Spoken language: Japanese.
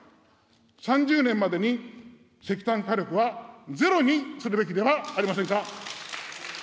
３０年までに石炭火力はゼロにするべきではありませんか。